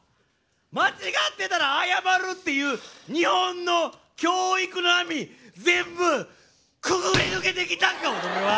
間違ってたら謝るっていう日本の教育の網全部くぐり抜けてきたんかおのれは！